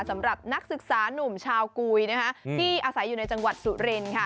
สำหรับนักศึกษานุ่มชาวกุยที่อาศัยอยู่ในจังหวัดสุรินค่ะ